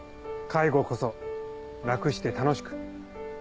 「介護こそ楽して楽しく」。